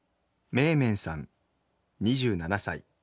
めーめんさん２７歳。